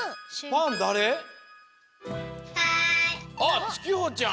あっつきほちゃん？